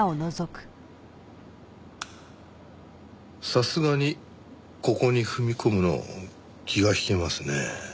さすがにここに踏み込むの気が引けますね。